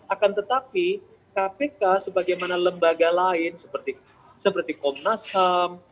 akan tetapi kpk sebagaimana lembaga lain seperti komnas ham